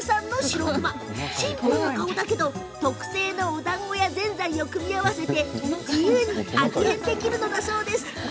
シンプルな顔だけど特製のおだんごやぜんざいを組み合わせて自由に味変できるんだそう。